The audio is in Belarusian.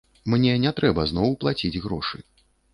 Мне не трэба зноў плаціць грошы.